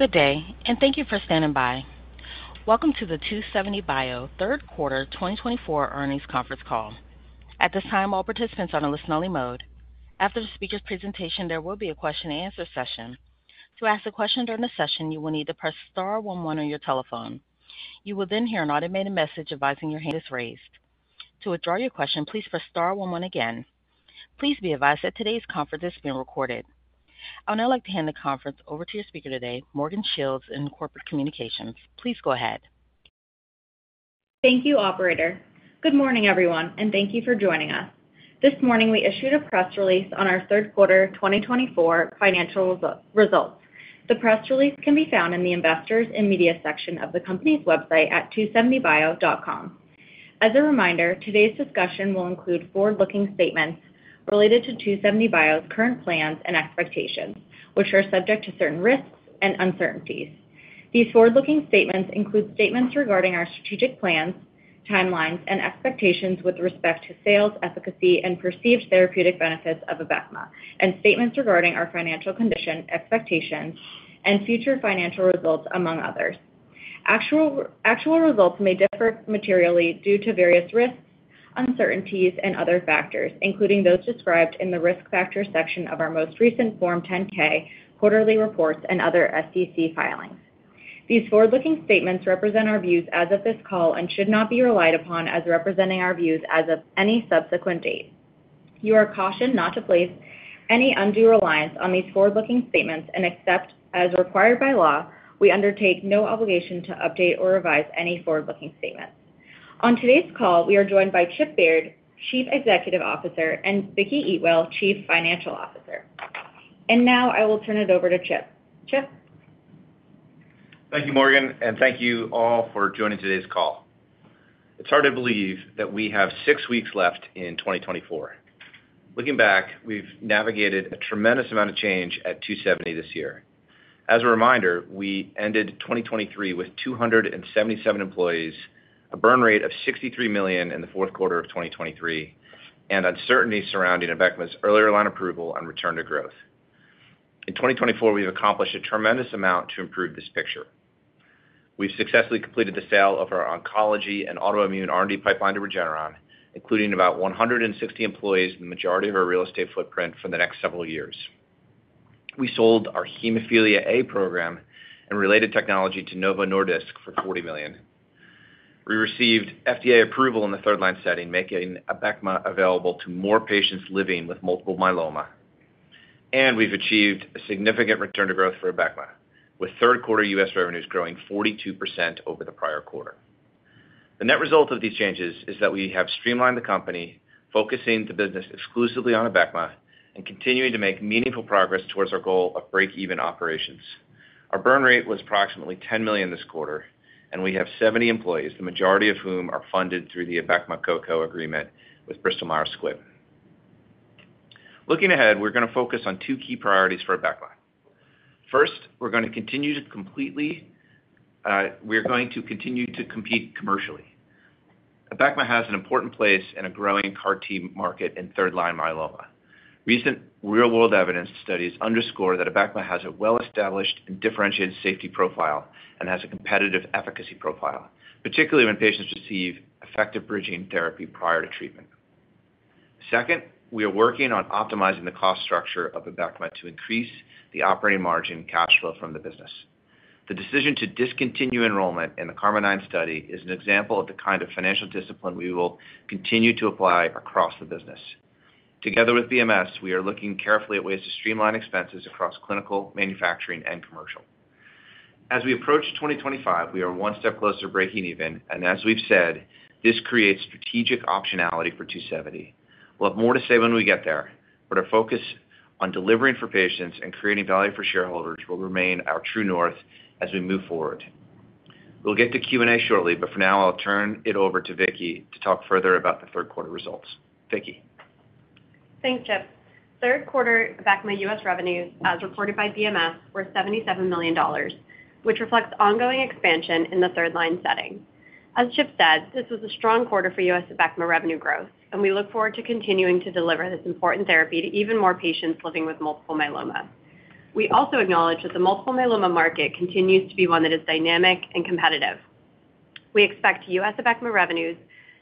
Good day, and thank you for standing by. Welcome to the 2seventy bio Third Quarter 2024 Earnings Conference Call. At this time, all participants are in a listen-only mode. After the speaker's presentation, there will be a question-and-answer session. To ask a question during the session, you will need to press star one one on your telephone. You will then hear an automated message advising your hand is raised. To withdraw your question, please press star one one again. Please be advised that today's conference is being recorded. I would now like to hand the conference over to your speaker today, Morgan Shields in corporate communications. Please go ahead. Thank you, Operator. Good morning, everyone, and thank you for joining us. This morning, we issued a press release on our third quarter 2024 financial results. The press release can be found in the investors' and media section of the company's website at 2seventybio.com. As a reminder, today's discussion will include forward-looking statements related to 2seventy bio's current plans and expectations, which are subject to certain risks and uncertainties. These forward-looking statements include statements regarding our strategic plans, timelines, and expectations with respect to sales, efficacy, and perceived therapeutic benefits of Abecma, and statements regarding our financial condition, expectations, and future financial results, among others. Actual results may differ materially due to various risks, uncertainties, and other factors, including those described in the risk factor section of our most recent Form 10-K quarterly reports and other SEC filings. These forward-looking statements represent our views as of this call and should not be relied upon as representing our views as of any subsequent date. You are cautioned not to place any undue reliance on these forward-looking statements except, as required by law, we undertake no obligation to update or revise any forward-looking statements. On today's call, we are joined by Chip Baird, Chief Executive Officer, and Vicki Eatwell, Chief Financial Officer. Now I will turn it over to Chip. Chip. Thank you, Morgan, and thank you all for joining today's call. It's hard to believe that we have six weeks left in 2024. Looking back, we've navigated a tremendous amount of change at 2seventy this year. As a reminder, we ended 2023 with 277 employees, a burn rate of $63 million in the fourth quarter of 2023, and uncertainty surrounding Abecma's earlier line of approval and return to growth. In 2024, we've accomplished a tremendous amount to improve this picture. We've successfully completed the sale of our oncology and autoimmune R&D pipeline to Regeneron, including about 160 employees and the majority of our real estate footprint for the next several years. We sold our hemophilia A program and related technology to Novo Nordisk for $40 million. We received FDA approval in the third-line setting, making Abecma available to more patients living with multiple myeloma. We’ve achieved a significant return to growth for Abecma, with third-quarter U.S. revenues growing 42% over the prior quarter. The net result of these changes is that we have streamlined the company, focusing the business exclusively on Abecma, and continuing to make meaningful progress towards our goal of break-even operations. Our burn rate was approximately $10 million this quarter, and we have 70 employees, the majority of whom are funded through the Abecma Co-Co agreement with Bristol Myers Squibb. Looking ahead, we’re going to focus on two key priorities for Abecma. First, we’re going to continue to compete commercially. Abecma has an important place in a growing CAR-T market in third-line myeloma. Recent real-world evidence studies underscore that Abecma has a well-established and differentiated safety profile and has a competitive efficacy profile, particularly when patients receive effective bridging therapy prior to treatment. Second, we are working on optimizing the cost structure of Abecma to increase the operating margin cash flow from the business. The decision to discontinue enrollment in the KarMMa-9 study is an example of the kind of financial discipline we will continue to apply across the business. Together with BMS, we are looking carefully at ways to streamline expenses across clinical, manufacturing, and commercial. As we approach 2025, we are one step closer to breaking even, and as we've said, this creates strategic optionality for 2seventy. We'll have more to say when we get there, but our focus on delivering for patients and creating value for shareholders will remain our true north as we move forward. We'll get to Q&A shortly, but for now, I'll turn it over to Vicki to talk further about the third-quarter results. Vicki. Thanks, Chip. Third quarter Abecma U.S. revenues, as reported by BMS, were $77 million, which reflects ongoing expansion in the third-line setting. As Chip said, this was a strong quarter for U.S. Abecma revenue growth, and we look forward to continuing to deliver this important therapy to even more patients living with multiple myeloma. We also acknowledge that the multiple myeloma market continues to be one that is dynamic and competitive. We expect U.S. Abecma revenues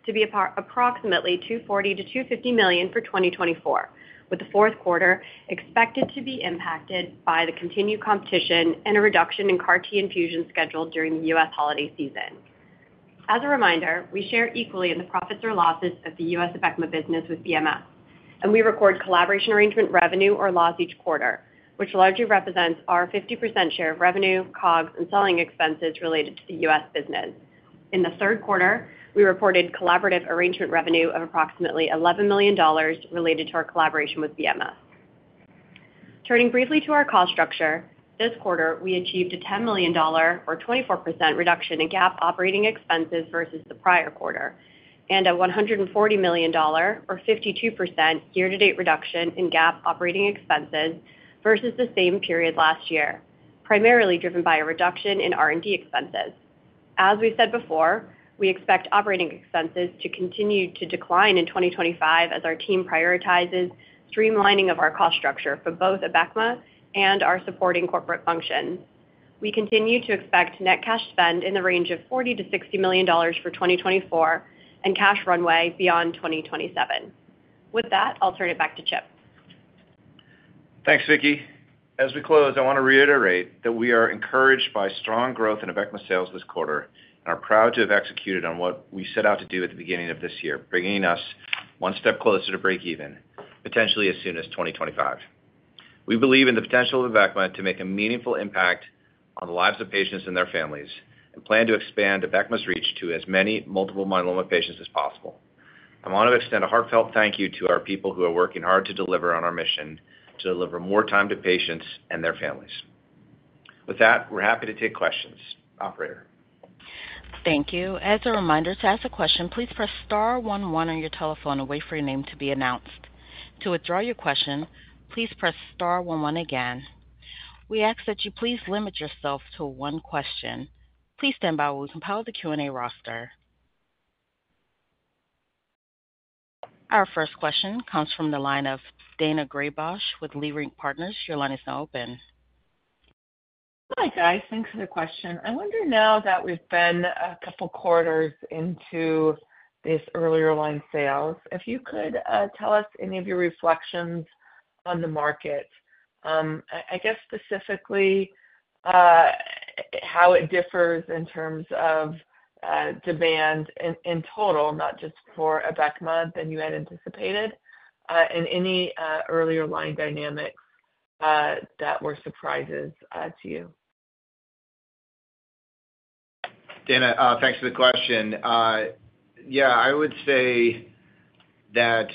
to be approximately $240 million-250 million for 2024, with the fourth quarter expected to be impacted by the continued competition and a reduction in CAR-T infusions scheduled during the U.S. holiday season. As a reminder, we share equally in the profits or losses of the U.S. Abecma business with BMS, and we record collaboration arrangement revenue or loss each quarter, which largely represents our 50% share of revenue, COGS, and selling expenses related to the U.S. business. In the third quarter, we reported collaborative arrangement revenue of approximately $11 million related to our collaboration with BMS. Turning briefly to our cost structure, this quarter, we achieved a $10 million, or 24%, reduction in GAAP operating expenses versus the prior quarter, and a $140 million, or 52%, year-to-date reduction in GAAP operating expenses versus the same period last year, primarily driven by a reduction in R&D expenses. As we said before, we expect operating expenses to continue to decline in 2025 as our team prioritizes streamlining of our cost structure for both Abecma and our supporting corporate functions. We continue to expect net cash spend in the range of $40 million-$60 million for 2024 and cash runway beyond 2027. With that, I'll turn it back to Chip. Thanks, Vicki. As we close, I want to reiterate that we are encouraged by strong growth in Abecma sales this quarter and are proud to have executed on what we set out to do at the beginning of this year, bringing us one step closer to break-even, potentially as soon as 2025. We believe in the potential of Abecma to make a meaningful impact on the lives of patients and their families and plan to expand Abecma's reach to as many multiple myeloma patients as possible. I want to extend a heartfelt thank you to our people who are working hard to deliver on our mission to deliver more time to patients and their families. With that, we're happy to take questions. Operator. Thank you. As a reminder to ask a question, please press star one one on your telephone and wait for your name to be announced. To withdraw your question, please press star one one again. We ask that you please limit yourself to one question. Please stand by while we compile the Q&A roster. Our first question comes from the line of Daina Graybosch with Leerink Partners. Your line is now open. Hi, guys. Thanks for the question. I wonder now that we've been a couple quarters into this earlier line sales, if you could tell us any of your reflections on the market. I guess specifically how it differs in terms of demand in total, not just for Abecma than you had anticipated, and any earlier line dynamics that were surprises to you. Daina, thanks for the question. Yeah, I would say that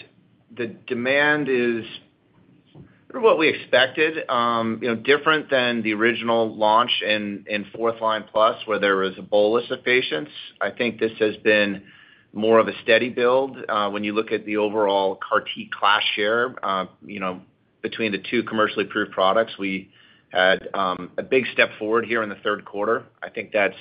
the demand is sort of what we expected, different than the original launch in fourth-line plus, where there was a bolus of patients. I think this has been more of a steady build. When you look at the overall CAR-T class share between the two commercially approved products, we had a big step forward here in the third quarter. I think that's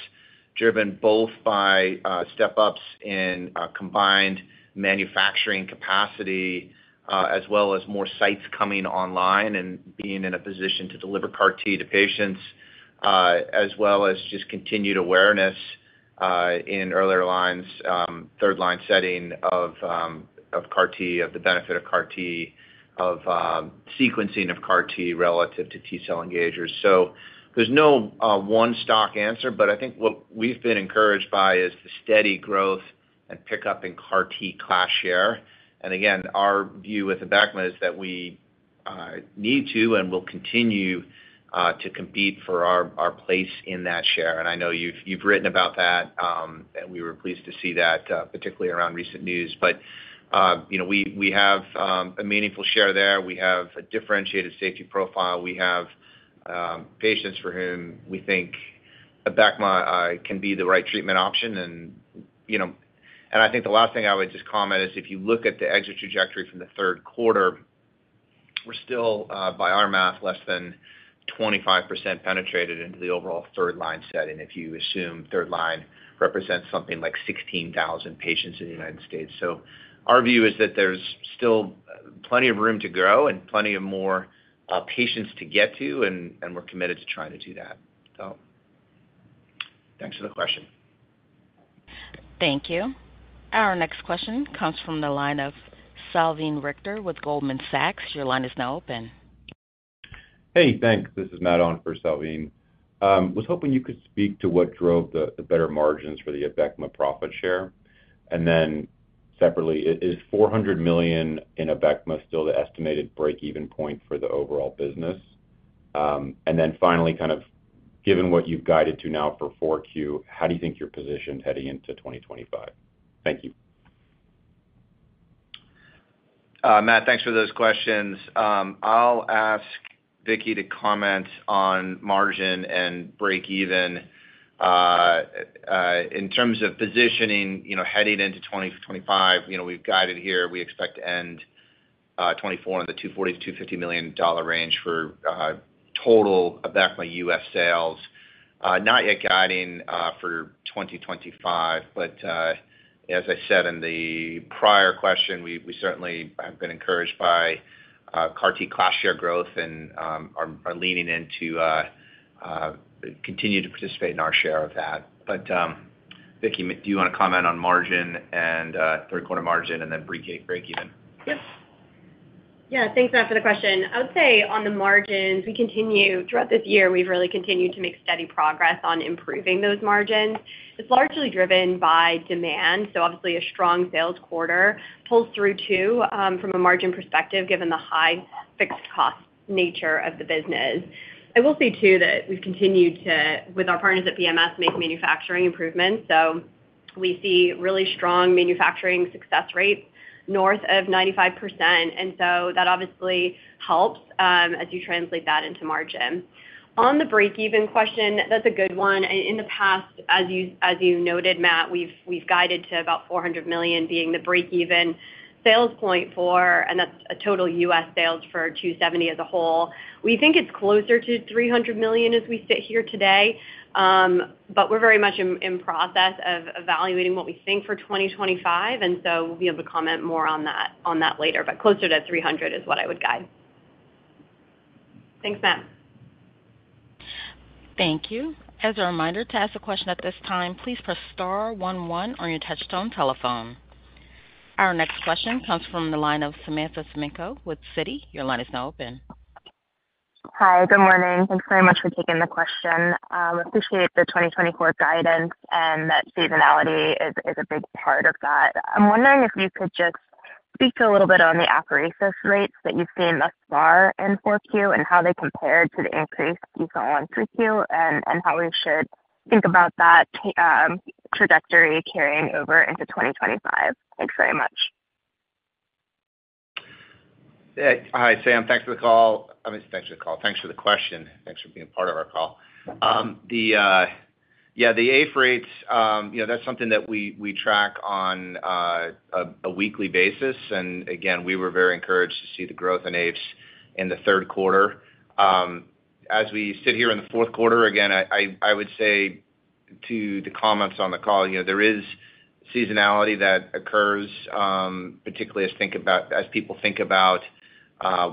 driven both by step-ups in combined manufacturing capacity, as well as more sites coming online and being in a position to deliver CAR-T to patients, as well as just continued awareness in earlier lines, third-line setting of CAR-T, of the benefit of CAR-T, of sequencing of CAR-T relative to T-cell engagers. So there's no one-stop answer, but I think what we've been encouraged by is the steady growth and pickup in CAR-T class share. And again, our view with Abecma is that we need to and will continue to compete for our place in that share. And I know you've written about that, and we were pleased to see that, particularly around recent news. But we have a meaningful share there. We have a differentiated safety profile. We have patients for whom we think Abecma can be the right treatment option. And I think the last thing I would just comment is if you look at the exit trajectory from the third quarter, we're still, by our math, less than 25% penetrated into the overall third-line setting. If you assume third-line represents something like 16,000 patients in the United States. So our view is that there's still plenty of room to grow and plenty of more patients to get to, and we're committed to trying to do that. So thanks for the question. Thank you. Our next question comes from the line of Salveen Richter with Goldman Sachs. Your line is now open. Hey, thanks. This is Matt Owen for Salveen. I was hoping you could speak to what drove the better margins for the Abecma profit share. And then separately, is $400 million in Abecma still the estimated break-even point for the overall business? And then finally, kind of given what you've guided to now for 4Q, how do you think you're positioned heading into 2025? Thank you. Matt, thanks for those questions. I'll ask Vicki to comment on margin and break-even in terms of positioning heading into 2025. We've guided here, we expect to end 2024 in the $240 million-$250 million range for total Abecma U.S. sales. Not yet guiding for 2025, but as I said in the prior question, we certainly have been encouraged by CAR-T class share growth and are leaning into continue to participate in our share of that. But Vicki, do you want to comment on margin and third quarter margin and then break-even? Yep. Yeah, thanks, Matt, for the question. I would say on the margins, we continue throughout this year, we've really continued to make steady progress on improving those margins. It's largely driven by demand. So obviously, a strong sales quarter pulls through too from a margin perspective, given the high fixed cost nature of the business. I will say too that we've continued to, with our partners at BMS, make manufacturing improvements. So we see really strong manufacturing success rates north of 95%. And so that obviously helps as you translate that into margin. On the break-even question, that's a good one. In the past, as you noted, Matt, we've guided to about $400 million being the break-even sales point for, and that's total U.S. sales for 2seventy as a whole. We think it's closer to $300 million as we sit here today, but we're very much in process of evaluating what we think for 2025. And so we'll be able to comment more on that later. But closer to $300 million is what I would guide. Thanks, Matt. Thank you. As a reminder to ask a question at this time, please press star 11 on your touch-tone telephone. Our next question comes from the line of Samantha Semenkow with Citi. Your line is now open. Hi, good morning. Thanks very much for taking the question. Appreciate the 2024 guidance and that seasonality is a big part of that. I'm wondering if you could just speak a little bit on the apheresis rates that you've seen thus far in 4Q and how they compared to the increase you saw in 3Q and how we should think about that trajectory carrying over into 2025. Thanks very much. Hi, Sam. Thanks for the call. I mean, thanks for the call. Thanks for the question. Thanks for being part of our call. Yeah, the apheresis rates, that's something that we track on a weekly basis. And again, we were very encouraged to see the growth in apheresis in the third quarter. As we sit here in the fourth quarter, again, I would say to the comments on the call, there is seasonality that occurs, particularly as people think about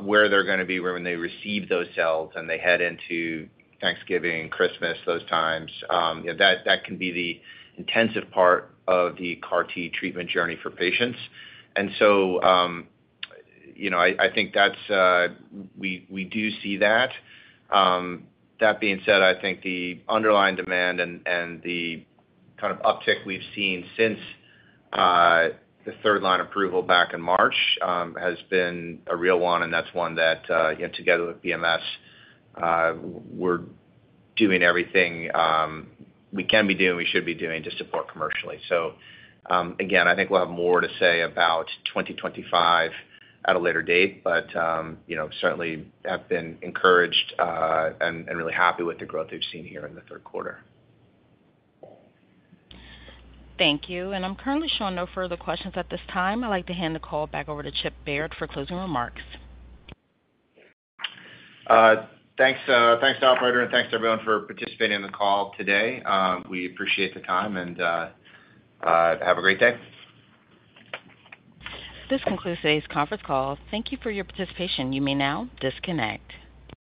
where they're going to be when they receive those cells and they head into Thanksgiving, Christmas, those times. That can be the intensive part of the CAR-T treatment journey for patients. And so I think we do see that. That being said, I think the underlying demand and the kind of uptick we've seen since the third-line approval back in March has been a real one. That's one that, together with BMS, we're doing everything we can be doing, we should be doing to support commercially. Again, I think we'll have more to say about 2025 at a later date, but certainly have been encouraged and really happy with the growth we've seen here in the third quarter. Thank you. And I'm currently showing no further questions at this time. I'd like to hand the call back over to Chip Baird for closing remarks. Thanks, Operator, and thanks to everyone for participating in the call today. We appreciate the time, and have a great day. This concludes today's conference call. Thank you for your participation. You may now disconnect.